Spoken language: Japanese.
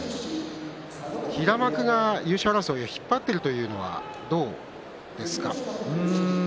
平幕が優勝争いを引っ張っているというのはどうですか？